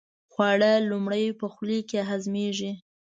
خواړه لومړی په خولې کې هضمېږي.